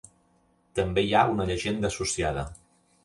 També hi ha una llegenda associada.